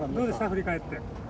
振り返って。